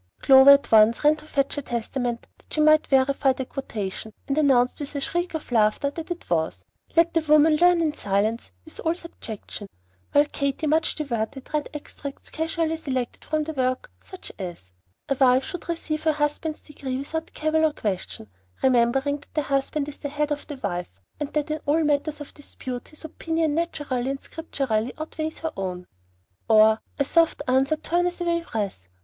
Clover at once ran to fetch her Testament that she might verify the quotation, and announced with a shriek of laughter that it was: "Let the women learn in silence with all subjection;" while Katy, much diverted, read extracts casually selected from the work, such as: "A wife should receive her husband's decree without cavil or question, remembering that the husband is the head of the wife, and that in all matters of dispute his opinion naturally and scripturally outweighs her own." Or: "'A soft answer turneth away wrath.'